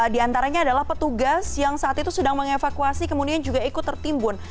di antaranya adalah petugas yang saat itu sedang mengevakuasi kemudian juga ikut tertimbun